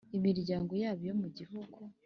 Imiryango yaba iyo mu gihugu